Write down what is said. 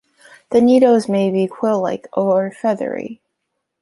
The "needles" may be quill-like or feathery.